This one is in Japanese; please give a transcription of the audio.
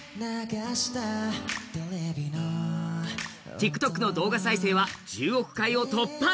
ＴｉｋＴｏｋの動画再生は１０億回を突破。